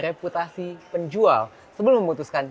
reputasi penjual sebelum memutuskan